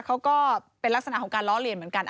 ก็เป็นลักษณะของการล้อเลียนเหมือนกัน